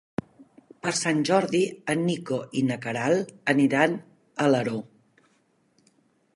Per Sant Jordi en Nico i na Queralt aniran a Alaró.